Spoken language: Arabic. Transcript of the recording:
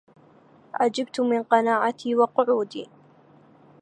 عجبت من قناعتي وقعودي